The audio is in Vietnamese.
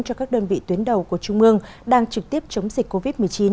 cho các đơn vị tuyến đầu của trung mương đang trực tiếp chống dịch covid một mươi chín